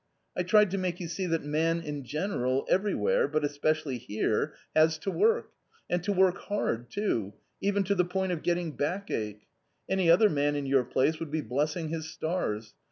.... I tried to make you see that man in general, everywhere, but especially here, has to work, and to work hard too, even to the point of getting backache. Any other man in your place would be blessing his stars.